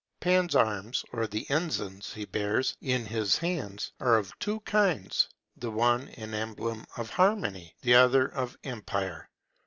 Pan's arms, or the ensigns he bears in his hands, are of two kinds—the one an emblem of harmony, the other of empire.